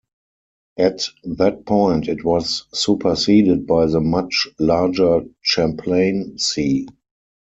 At that point it was superseded by the much larger Champlain Sea.